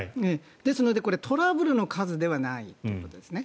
ですので、トラブルの数ではないということですね。